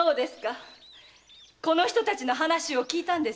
この人たちの話を聞いたんですね。